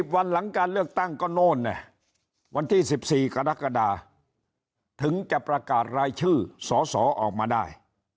วันหลังการเลือกตั้งก็โน่นวันที่๑๔กรกฎาถึงจะประกาศรายชื่อสสออกมาได้